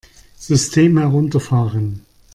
System herunterfahren!